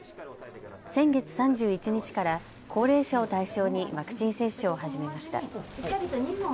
先月３１日から高齢者を対象にワクチン接種を始めました。